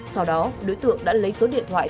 sau đó đối tượng đã lấy số điện thoại